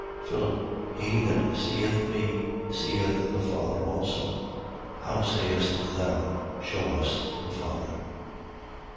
Philip, he that seeth me seeth the Father also. How sayest thou: Shew us the Father?